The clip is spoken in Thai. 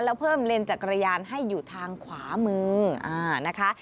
แล้วเพิ่มเลนจักรยานให้อยู่ทางขวามือนะคะ